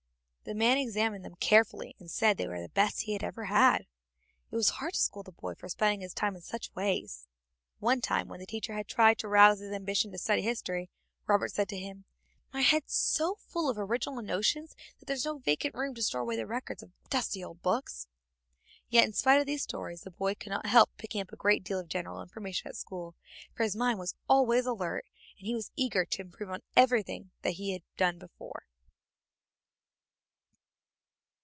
The man examined them carefully and said they were the best he had ever had. It was hard to scold the boy for spending his time in such ways. One time, when the teacher had tried to rouse his ambition to study history, Robert said to him: "My head's so full of original notions that there's no vacant room to store away the records of dusty old books." Yet in spite of these stories, the boy could not help picking up a great deal of general information at school, for his mind was always alert, and he was eager to improve on everything that had been done before.